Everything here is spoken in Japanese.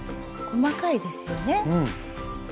細かいですよね。